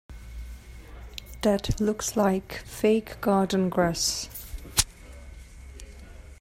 That looks like fake garden grass.